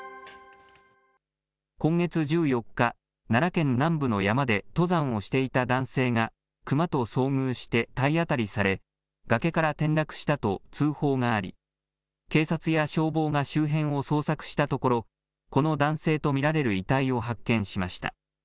今月１４日、奈良県南部の山で登山をしていた男性がクマと遭遇して体当たりされ、崖から転落したと通報があり、警察や消防が周辺を捜索したところ、この男性と見られる遺体を発見しました。